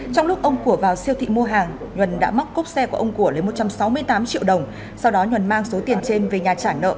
trong lúc ông của vào siêu thị mua hàng nhuần đã mắc cốp xe của ông của lấy một trăm sáu mươi tám triệu đồng sau đó nhuần mang số tiền trên về nhà trả nợ